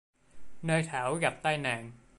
nơi thảo gặp tai nạn